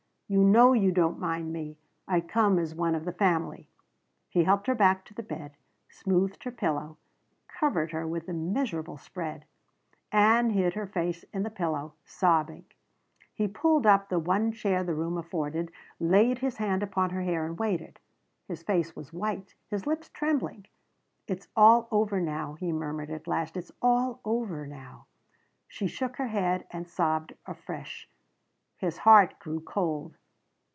"You know you don't mind me. I come as one of the family." He helped her back to the bed; smoothed her pillow; covered her with the miserable spread. Ann hid her face in the pillow, sobbing. He pulled up the one chair the room afforded, laid his hand upon her hair, and waited. His face was white, his lips trembling. "It's all over now," he murmured at last. "It's all over now." She shook her head and sobbed afresh. His heart grew cold.